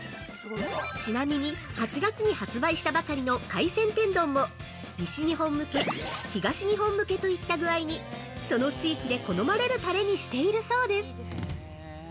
◆ちなみに、８月に発売したばかりの海鮮天丼も「西日本向け」「東日本向け」といった具合にその地域で好まれるタレにしているそうです。